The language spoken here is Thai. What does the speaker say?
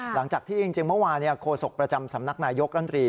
หลังจากที่จริงเมื่อวานโฆษกประจำสำนักนายยกรัฐมนตรี